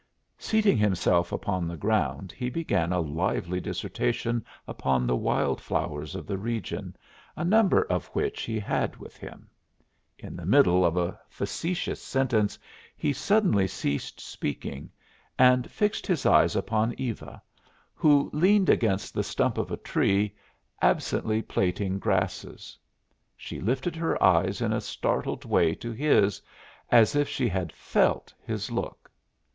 Seating himself upon the ground he began a lively dissertation upon the wild flowers of the region, a number of which he had with him. In the middle of a facetious sentence he suddenly ceased speaking and fixed his eyes upon Eva, who leaned against the stump of a tree, absently plaiting grasses. She lifted her eyes in a startled way to his, as if she had felt his look.